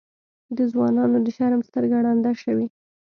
د ځوانانو د شرم سترګه ړنده شوې.